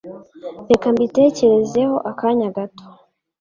Reka mbitekerezeho akanya gato.